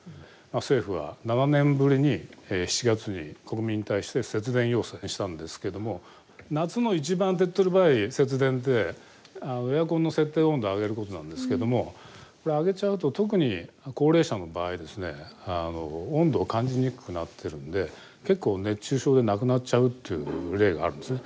政府は７年ぶりに７月に国民に対して節電要請したんですけども夏の一番手っとり早い節電ってエアコンの設定温度を上げることなんですけどもこれ上げちゃうと特に高齢者の場合ですね温度を感じにくくなってるんで結構熱中症で亡くなっちゃうっていう例があるんですね。